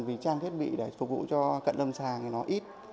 vì trang thiết bị để phục vụ cho cận lâm sàng thì nó ít